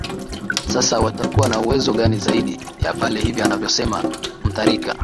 sasa watakuwa na uwezo gani zaidi ya pale hivi anavyosema mutharika